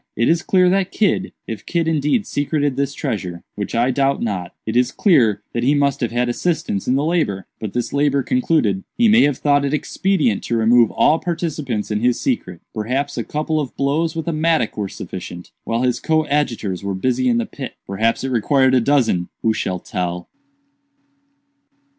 It is clear that Kidd—if Kidd indeed secreted this treasure, which I doubt not—it is clear that he must have had assistance in the labor. But this labor concluded, he may have thought it expedient to remove all participants in his secret. Perhaps a couple of blows with a mattock were sufficient, while his coadjutors were busy in the pit; perhaps it required a dozen—who shall tell?"